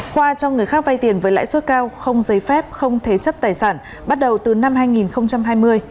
khoa cho người khác vay tiền với lãi suất cao không giấy phép không thế chấp tài sản bắt đầu từ năm hai nghìn hai mươi